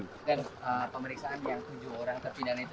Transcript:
dan pemeriksaan yang tujuh orang terpindahkan itu